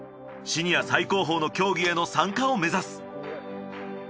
シニア最高峰の競技への参加を目指す。